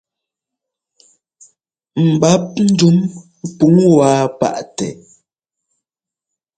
Ḿbap ndǔm pǔŋ wá paʼtɛ.